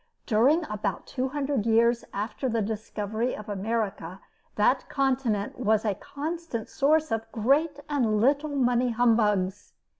During about two hundred years after the discovery of America, that continent was a constant source of great and little money humbugs.